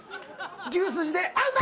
牛すじでアウト！